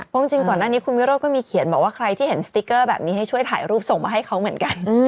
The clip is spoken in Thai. เพราะจริงก่อนหน้านี้คุณวิโรธก็มีเขียนบอกว่าใครที่เห็นสติ๊กเกอร์แบบนี้ให้ช่วยถ่ายรูปส่งมาให้เขาเหมือนกัน